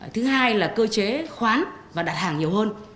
thứ hai là cơ chế khoán và đặt hàng nhiều hơn